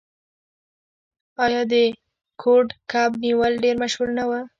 آیا د کوډ کب نیول ډیر مشهور نه و؟